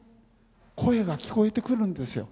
声が聴こえてくるんですよ。